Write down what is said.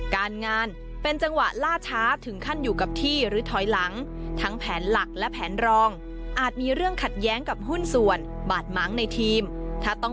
การงานเป็นจังหวะล่าช้าถึงขั้นอยู่กับที่หรือถอยหลัง